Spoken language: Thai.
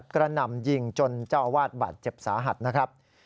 กระหน่ำยิงจนเจ้าอาวาสบาดเจ็บสาหัสนะครับ